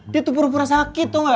dia tuh pura pura sakit tuh gak